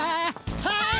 はい！